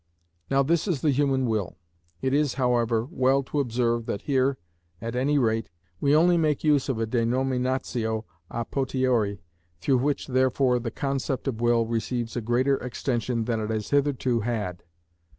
Now this is the human will. It is, however, well to observe that here, at any rate, we only make use of a denominatio a potiori, through which, therefore, the concept of will receives a greater extension than it has hitherto had.